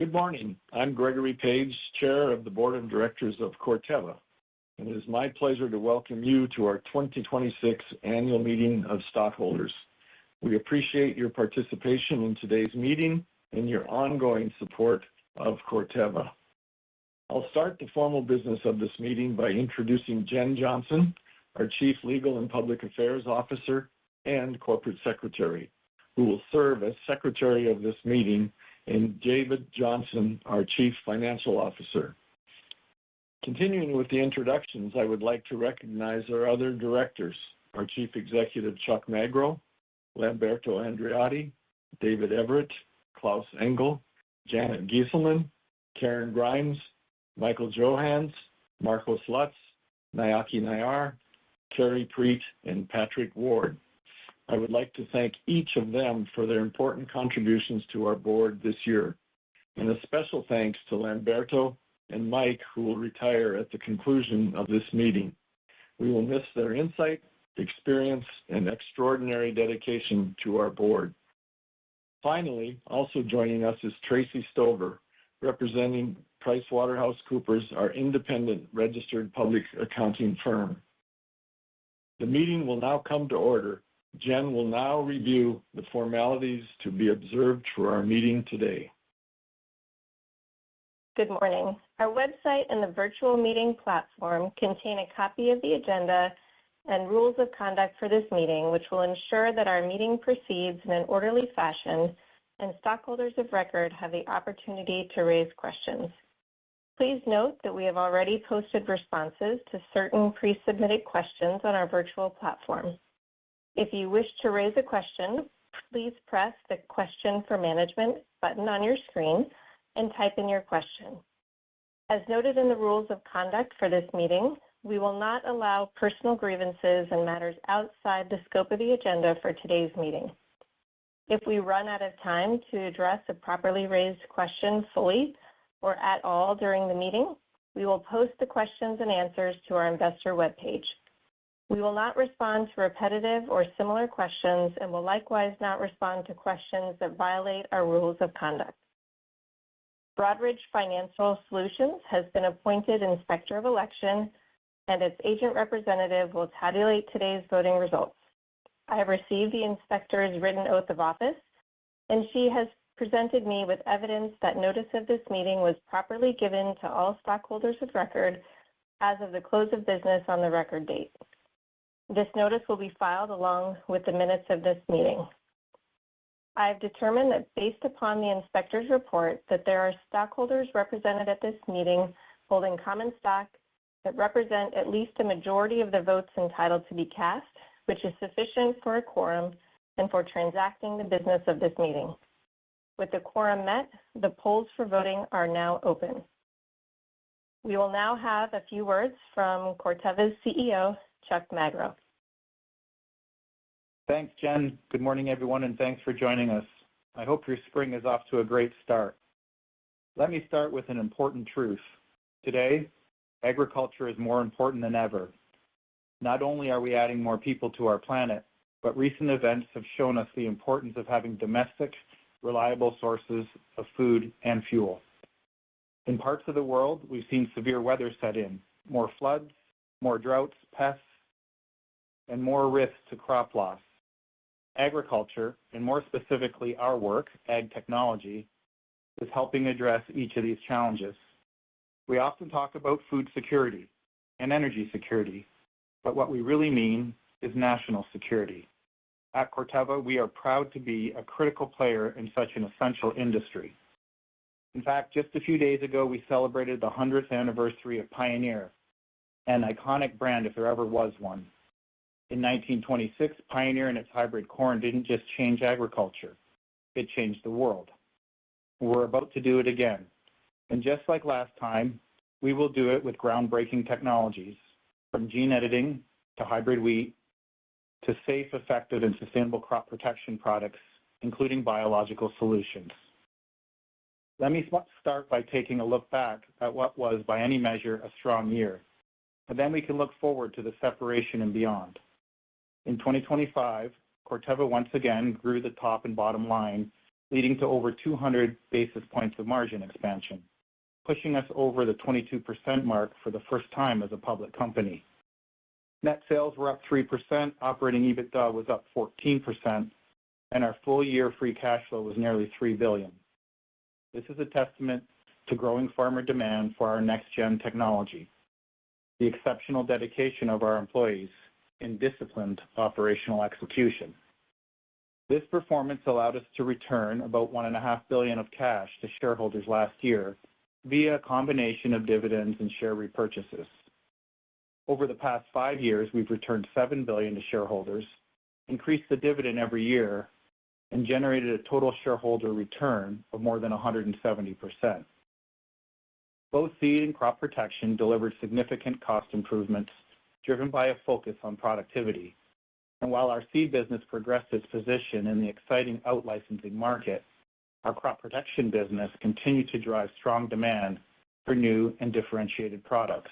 Good morning. I'm Gregory Page, Chair of the Board of Directors of Corteva, and it is my pleasure to welcome you to our 2026 Annual Meeting of Stockholders. We appreciate your participation in today's meeting and your ongoing support of Corteva. I'll start the formal business of this meeting by introducing Jen Johnson, our Chief Legal and Public Affairs Officer and Corporate Secretary, who will serve as secretary of this meeting, and David Johnson, our Chief Financial Officer. Continuing with the introductions, I would like to recognize our other directors, our Chief Executive, Chuck Magro, Lamberto Andreotti, David Everitt, Klaus Engel, Janet Giesselman, Karen Grimes, Michael Johanns, Marcos Lutz, Nayaki Nayyar, Kerry Preete, and `Patrick Ward. I would like to thank each of them for their important contributions to our Board this year. A special thanks to Lamberto and Mike, who will retire at the conclusion of this meeting. We will miss their insight, experience, and extraordinary dedication to our board. Finally, also joining us is Tracey Stover, representing PricewaterhouseCoopers, our independent registered public accounting firm. The meeting will now come to order. Jen will now review the formalities to be observed through our meeting today. Good morning. Our website and the virtual meeting platform contain a copy of the agenda and rules of conduct for this meeting, which will ensure that our meeting proceeds in an orderly fashion, and stockholders of record have the opportunity to raise questions. Please note that we have already posted responses to certain pre-submitted questions on our virtual platform. If you wish to raise a question, please press the Question for Management button on your screen and type in your question. As noted in the rules of conduct for this meeting, we will not allow personal grievances and matters outside the scope of the agenda for today's meeting. If we run out of time to address a properly raised question fully or at all during the meeting, we will post the questions-and-answers to our investor webpage. We will not respond to repetitive or similar questions and will likewise not respond to questions that violate our rules of conduct. Broadridge Financial Solutions has been appointed Inspector of Election, and its agent representative will tabulate today's voting results. I have received the inspector's written oath of office, and she has presented me with evidence that notice of this meeting was properly given to all stockholders of record as of the close of business on the record date. This notice will be filed along with the minutes of this meeting. I have determined that based upon the inspector's report, that there are stockholders represented at this meeting holding common stock that represent at least a majority of the votes entitled to be cast, which is sufficient for a quorum and for transacting the business of this meeting. With the quorum met, the polls for voting are now open. We will now have a few words from Corteva's CEO, Chuck Magro. Thanks, Jen. Good morning, everyone, and thanks for joining us. I hope your spring is off to a great start. Let me start with an important truth. Today, agriculture is more important than ever. Not only are we adding more people to our planet, but recent events have shown us the importance of having domestic, reliable sources of food and fuel. In parts of the world, we've seen severe weather set in, more floods, more droughts, pests, and more risk to crop loss. Agriculture, and more specifically our work, ag technology, is helping address each of these challenges. We often talk about food security and energy security, but what we really mean is national security. At Corteva, we are proud to be a critical player in such an essential industry. In fact, just a few days ago, we celebrated the 100th Anniversary of Pioneer, an iconic brand if there ever was one. In 1926, Pioneer and its hybrid corn didn't just change agriculture, it changed the world. We're about to do it again. Just like last time, we will do it with groundbreaking technologies from gene editing, to hybrid wheat, to safe, effective, and sustainable crop protection products, including biological solutions. Let me start by taking a look back at what was, by any measure, a strong year. We can look forward to the separation and beyond. In 2025, Corteva once again grew the top and bottom line, leading to over 200 basis points of margin expansion, pushing us over the 22% mark for the first time as a public company. Net sales were up 3%, Operating EBITDA was up 14%, and our full-year free cash flow was nearly $3 billion. This is a testament to growing farmer demand for our next-gen technology, the exceptional dedication of our employees in disciplined operational execution. This performance allowed us to return about one and a half billion of cash to shareholders last year via a combination of dividends and share repurchases. Over the past five years, we've returned $7 billion to shareholders, increased the dividend every year, and generated a total shareholder return of more than 170%. Both seed and crop protection delivered significant cost improvements driven by a focus on productivity. While our Seed business progressed its position in the exciting out-licensing market, our Crop Protection business continued to drive strong demand for new and differentiated products.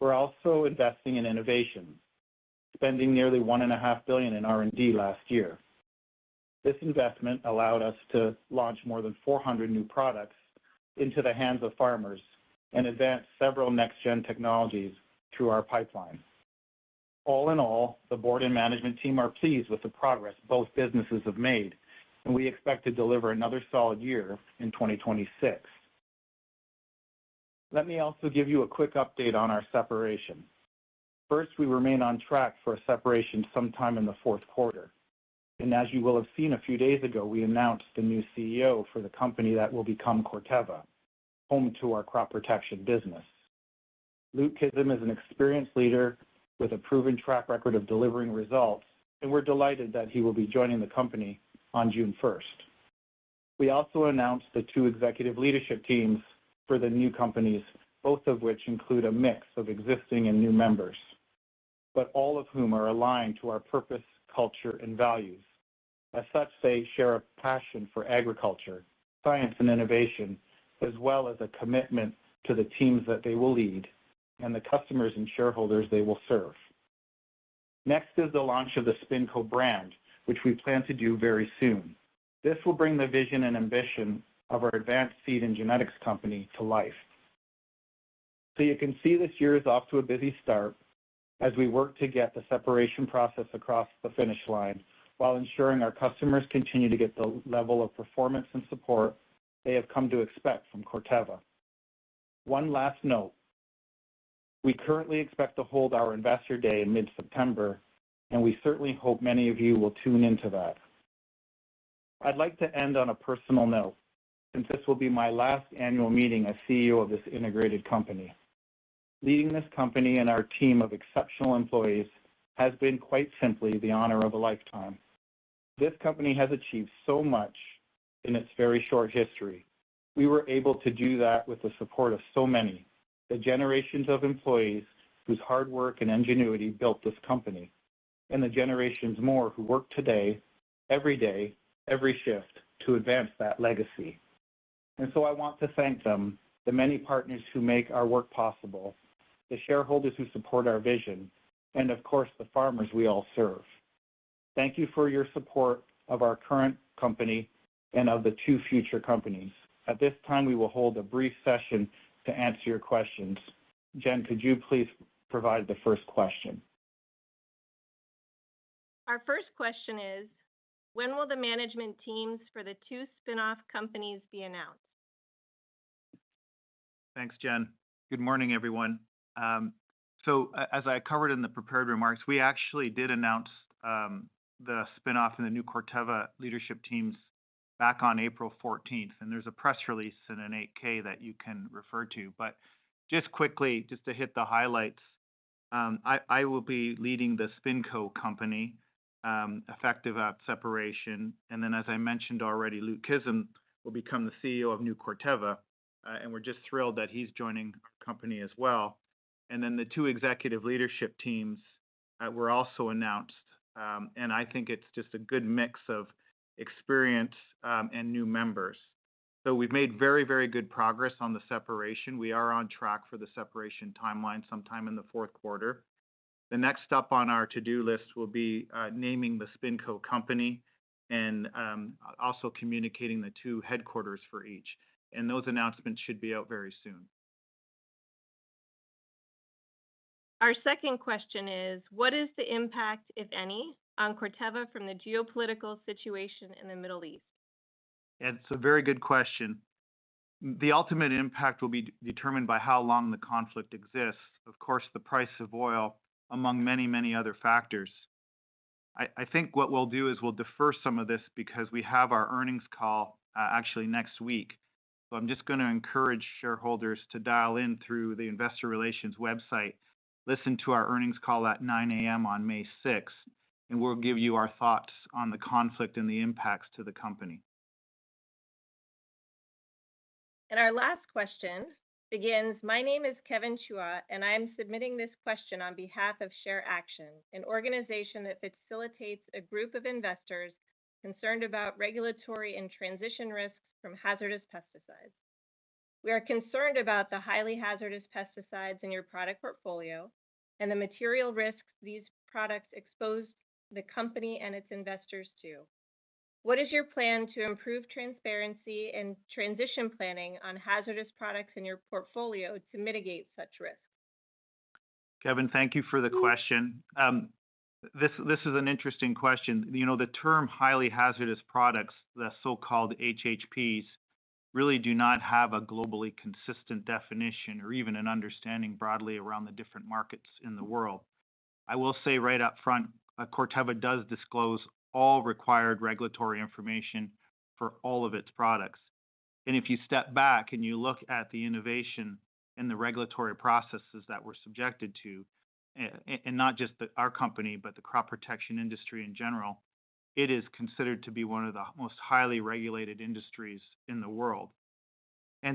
We're also investing in innovation, spending nearly $1.5 billion in R&D last year. This investment allowed us to launch more than 400 new products into the hands of farmers and advance several next-gen technologies through our pipeline. All in all, the Board and Management team are pleased with the progress both businesses have made, and we expect to deliver another solid year in 2026. Let me also give you a quick update on our separation. First, we remain on track for a separation sometime in the fourth quarter. As you will have seen a few days ago, we announced a new CEO for the company that will become Corteva, home to our crop protection business. Luke Kissam is an experienced leader with a proven track record of delivering results, and we're delighted that he will be joining the company on June 1st. We also announced the two executive leadership teams for the new companies, both of which include a mix of existing and new members, but all of whom are aligned to our purpose, culture, and values. As such, they share a passion for agriculture, science, and innovation, as well as a commitment to the teams that they will lead and the customers and shareholders they will serve. Next is the launch of the SpinCo brand, which we plan to do very soon. This will bring the vision and ambition of our advanced seed and genetics company to life. You can see this year is off to a busy start as we work to get the separation process across the finish line while ensuring our customers continue to get the level of performance and support they have come to expect from Corteva. One last note. We currently expect to hold our Investor Day in mid-September, and we certainly hope many of you will tune into that. I'd like to end on a personal note, since this will be my last annual meeting as CEO of this integrated company. Leading this company and our team of exceptional employees has been quite simply the honor of a lifetime. This company has achieved so much in its very short history. We were able to do that with the support of so many, the generations of employees whose hard work and ingenuity built this company, and the generations more who work today, every day, every shift to advance that legacy. I want to thank them, the many partners who make our work possible, the shareholders who support our vision, and of course, the farmers we all serve. Thank you for your support of our current company and of the two future companies. At this time, we will hold a brief session to answer your questions. Jen, could you please provide the first question? Our first question is, when will the management teams for the two spinoff companies be announced? Thanks, Jen. Good morning, everyone. As I covered in the prepared remarks, we actually did announce the spinoff and the new Corteva leadership teams back on April 14th, and there's a press release and an 8-K that you can refer to. Just quickly, just to hit the highlights, I will be leading the SpinCo company effective at separation. As I mentioned already, Luke Kissam will become the CEO of new Corteva, and we're just thrilled that he's joining our company as well. The two executive leadership teams were also announced, and I think it's just a good mix of experience and new members. We've made very good progress on the separation. We are on track for the separation timeline sometime in the fourth quarter. The next step on our to-do list will be naming the SpinCo company and also communicating the two headquarters for each. Those announcements should be out very soon. Our second question is, what is the impact, if any, on Corteva from the geopolitical situation in the Middle East? It's a very good question. The ultimate impact will be determined by how long the conflict exists. Of course, the price of oil among many other factors. I think what we'll do is we'll defer some of this because we have our earnings call actually next week. I'm just gonna encourage shareholders to dial in through the investor relations website, listen to our earnings call at 9:00 A.M. on May 6th, and we'll give you our thoughts on the conflict and the impacts to the company. Our last question begins: My name is Kevin Chuah, and I'm submitting this question on behalf of ShareAction, an organization that facilitates a group of investors concerned about regulatory and transition risks from hazardous pesticides. We are concerned about the Highly Hazardous Pesticides in your product portfolio and the material risks these products expose the company and its investors to. What is your plan to improve transparency and transition planning on hazardous products in your portfolio to mitigate such risks? Kevin, thank you for the question. This is an interesting question. You know, the term Highly Hazardous products, the so-called HHPs, really do not have a globally consistent definition or even an understanding broadly around the different markets in the world. I will say right up front, Corteva does disclose all required regulatory information for all of its products. If you step back and you look at the innovation and the regulatory processes that we're subjected to, and not just our company, but the crop protection industry in general, it is considered to be one of the most highly regulated industries in the world.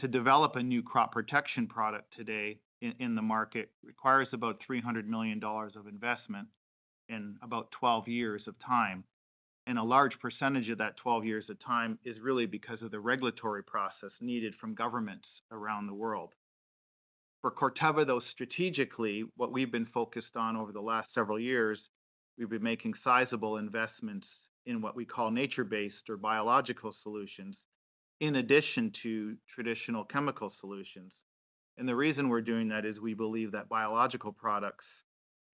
To develop a new crop protection product today in the market requires about $300 million of investment and about 12 years of time. A large percentage of that 12 years of time is really because of the regulatory process needed from governments around the world. For Corteva, though, strategically, what we've been focused on over the last several years, we've been making sizable investments in what we call nature-based or biological solutions in addition to traditional chemical solutions. The reason we're doing that is we believe that biological products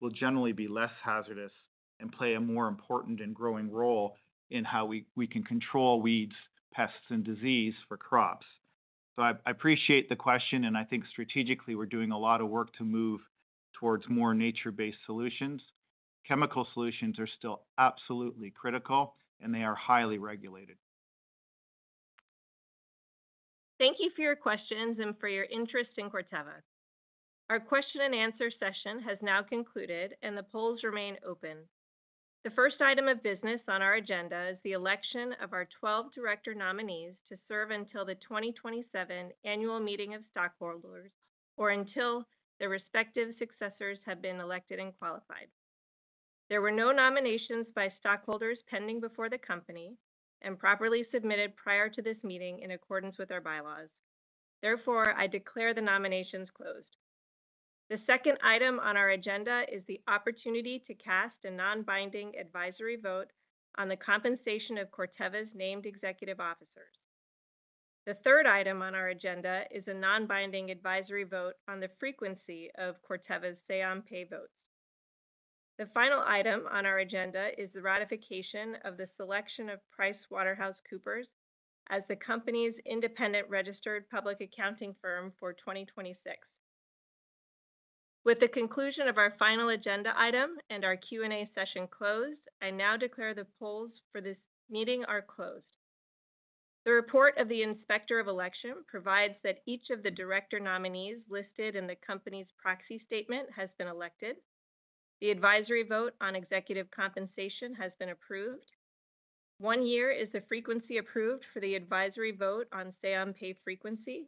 will generally be less hazardous and play a more important and growing role in how we can control weeds, pests, and disease for crops. I appreciate the question, and I think strategically we're doing a lot of work to move towards more nature-based solutions. Chemical solutions are still absolutely critical, and they are highly regulated. Thank you for your questions and for your interest in Corteva. Our question-and answer-session has now concluded, and the polls remain open. The first item of business on our agenda is the election of our 12 Director nominees to serve until the 2027 Annual Meeting of Stockholders or until their respective successors have been elected and qualified. There were no nominations by stockholders pending before the company and properly submitted prior to this meeting in accordance with our bylaws. Therefore, I declare the nominations closed. The second item on our agenda is the opportunity to cast a non-binding advisory vote on the compensation of Corteva's named executive officers. The third item on our agenda is a non-binding advisory vote on the frequency of Corteva's say-on-pay votes. The final item on our agenda is the ratification of the selection of PricewaterhouseCoopers as the company's independent registered public accounting firm for 2026. With the conclusion of our final agenda item and our Q&A session closed, I now declare the polls for this meeting are closed. The report of the Inspector of Election provides that each of the director nominees listed in the company's proxy statement has been elected. The advisory vote on executive compensation has been approved. 1 year is the frequency approved for the advisory vote on say-on-pay frequency,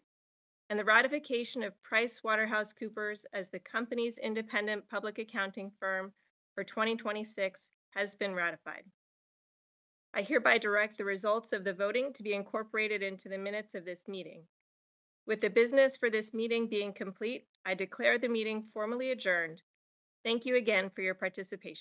and the ratification of PricewaterhouseCoopers as the company's independent public accounting firm for 2026 has been ratified. I hereby direct the results of the voting to be incorporated into the minutes of this meeting. With the business for this meeting being complete, I declare the meeting formally adjourned. Thank you again for your participation.